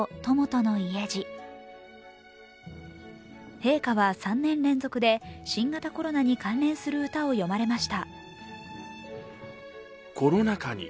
陛下は３年連続で新型コロナに関連する歌を詠まれました。